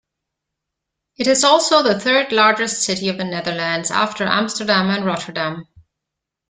It is also the third largest city of the Netherlands, after Amsterdam and Rotterdam.